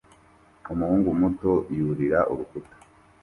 umuhungu muto yurira urukuta